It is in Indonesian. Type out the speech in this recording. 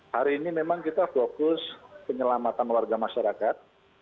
hari ini memang kita fokus penyelamatan warga masyarakat